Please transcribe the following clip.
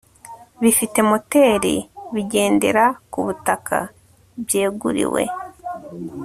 bifite moteri bigendera ku butaka byeguriwe